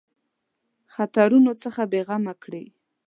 خطرونو څخه بېغمه کړي.